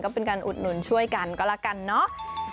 ก็เป็นการอุดหนุนช่วยกันก็แล้วกันเนาะ